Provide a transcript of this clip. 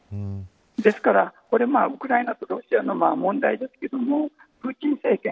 ですからウクライナとロシアの問題ですけれどもプーチン政権